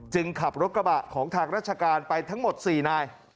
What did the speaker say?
ขับรถกระบะของทางราชการไปทั้งหมด๔นาย